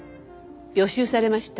予習されました？